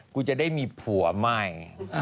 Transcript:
กูจะได้มีผัวใหม่